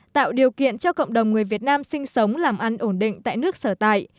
tạo điều kiện cho cộng đồng người việt nam sinh sống làm ăn ổn định tại nước sở tại